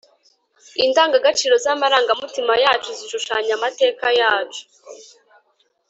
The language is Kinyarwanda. indangagaciro z'amarangamutima yacu zishushanya amateka yacu,